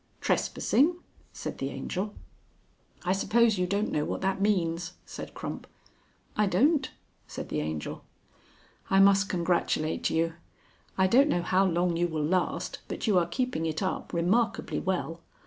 "Trespassing!" said the Angel. "I suppose you don't know what that means," said Crump. "I don't," said the Angel. "I must congratulate you. I don't know how long you will last, but you are keeping it up remarkably well.